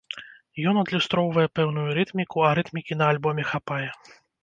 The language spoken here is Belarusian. Ён адлюстроўвае пэўную рытміку, а рытмікі на альбоме хапае.